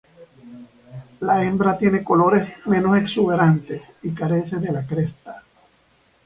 La hembra tiene colores menos exuberantes y carece de la cresta.